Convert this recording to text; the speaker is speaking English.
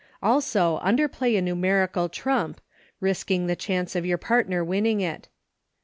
Also underplay a numerical trump, risking the chance of your partner winning it.